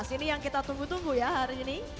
ini yang kita tunggu tunggu ya hari ini